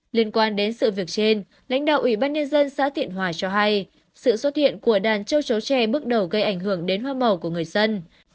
liên quan đến sự việc trên lãnh đạo ủy ban nhân dân xã tiện hòa cho hay sự xuất hiện của đàn châu chấu chè bước đầu gây ảnh hưởng đến hoa màu của người dân